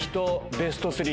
ベスト３。